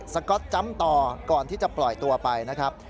ก๊อตจำต่อก่อนที่จะปล่อยตัวไปนะครับ